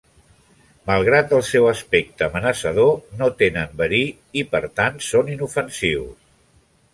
Malgrat el seu aspecte amenaçador, no tenen verí i per tant són inofensius.